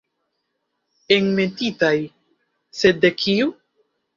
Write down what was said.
Enmetitaj, sed de kiu?